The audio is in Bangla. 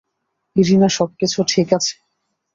ইরিনা সবকিছু ঠিক আছে?